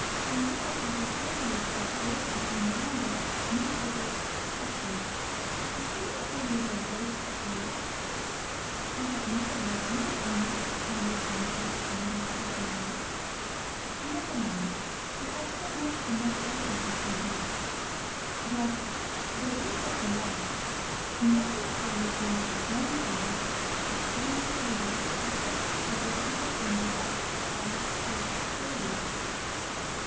You look as if the fairies that wait upon young girls had made you their special care. Did you ever read the 'Rape of the Lock'?" "I have never read anything," Lois answered, a little soberly. "Never mind; you have so much the more pleasure before you. But the 'Rape of the Lock' in that story there is a young lady, a famous beauty, whose dressing table is attended by sprites or fairies.